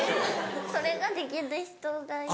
それができる人がいい。